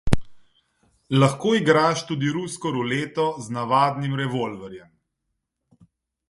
Lahko igraš tudi rusko ruleto z navadnim revolverjem.